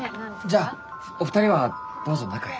じゃあお二人はどうぞ中へ。